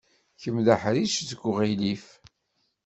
Kemm d aḥric seg uɣilif.